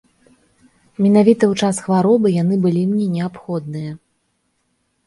Менавіта ў час хваробы яны былі мне неабходныя.